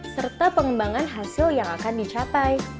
serta pengembangan hasil yang akan dicapai